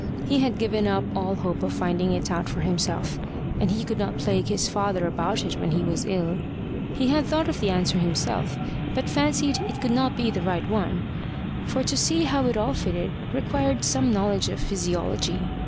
He had given up all hope of finding it out for himself, and he could not plague his father about it when he was ill. He had thought of the answer himself, but fancied it could not be the right one, for to see how it all fitted required some knowledge of physiology.